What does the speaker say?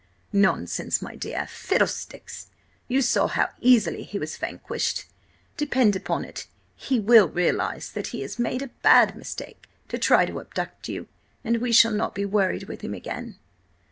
"Nonsense, my dear! Fiddlesticks! You saw how easily he was vanquished. Depend upon it, he will realise that he has made a bad mistake to try to abduct you, and we shall not be worried with him again."